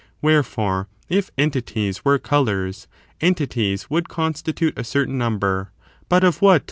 Wherefore, if entities were colours, entities would constitute a certain number — but of what